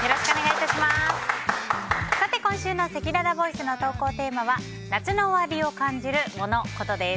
今週のせきららボイスの投稿テーマは夏の終わりを感じるモノ・コトです。